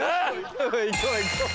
行こう行こう。